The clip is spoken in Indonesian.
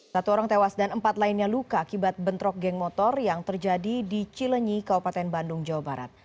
satu orang tewas dan empat lainnya luka akibat bentrok geng motor yang terjadi di cilenyi kabupaten bandung jawa barat